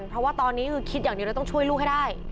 เพราะว่าตอนนี้คือคิดอย่างเดียวเลยต้องช่วยลูกให้ได้